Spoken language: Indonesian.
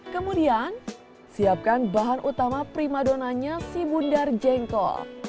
kemudian siapkan bahan utama primadonanya si bundar jengkol